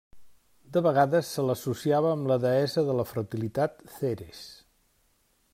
De vegades se l'associava amb la deessa de la fertilitat Ceres.